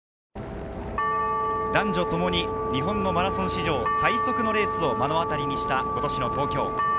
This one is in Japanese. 男女ともに日本のマラソン史上最速のレースを目の当りにした今年の東京。